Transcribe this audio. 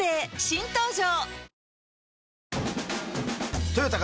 新登場